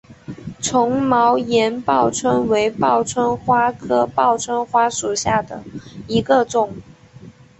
丛毛岩报春为报春花科报春花属下的一个种。